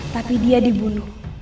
tapi dia dibunuh